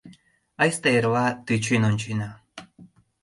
Айста эрла тӧчен ончена.